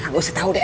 gak usah tau deh